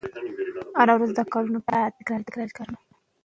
مورخ باید د خپلو لیدلورو په اړه روښانتیا ورکړي.